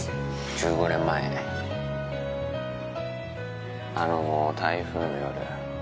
１５年前あの台風の夜